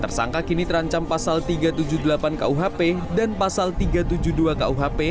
tersangka kini terancam pasal tiga ratus tujuh puluh delapan kuhp dan pasal tiga ratus tujuh puluh dua kuhp